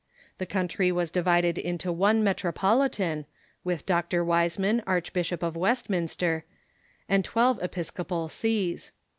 The country was divided into one metropolitan (with Dr. Wiseman, Archbishop of Westminster) and twelve episco pal sees.